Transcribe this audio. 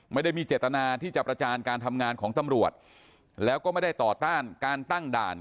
ไม่ได้มีเจตนาที่จะประจานการทำงานของตำรวจแล้วก็ไม่ได้ต่อต้านการตั้งด่าน